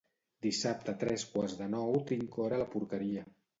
dissabte a tres quarts de nou tinc hora a la porqueria